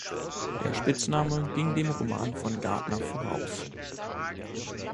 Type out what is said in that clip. Der Spitzname ging dem Roman von Gardner voraus.